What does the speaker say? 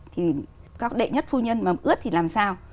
thì các đệ nhất phu nhân mà ướt thì làm sao